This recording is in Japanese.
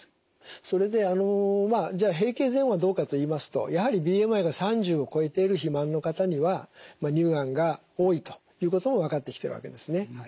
それで閉経前はどうかと言いますとやはりＢＭＩが３０を超えている肥満の方には乳がんが多いということも分かってきてるわけですね。